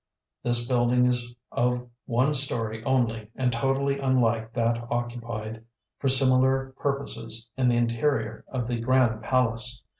This building is of one story only, and totally unlike that occupied for similar purposes in the interior of the grand palace.